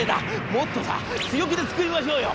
『もっとさ強気で作りましょうよ！